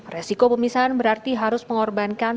resiko pemisahan berarti harus mengorbankan